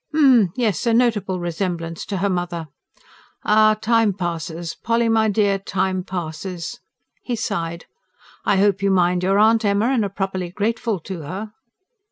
"H'm! Yes ... a notable resemblance to her mother. Ah, time passes, Polly my dear time passes!" He sighed. "I hope you mind your aunt, Emma, and are properly grateful to her?"